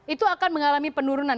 itu akan mengalami penurunan